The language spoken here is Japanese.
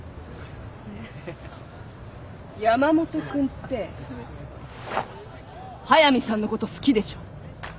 山本君って速見さんのこと好きでしょ？